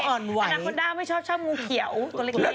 งูอานาคอนด้าไม่ชอบงูเขียวตัวเล็กละ